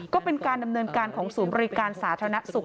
ก็เป็นการดำเนินการของศูนย์บริการสาธารณสุข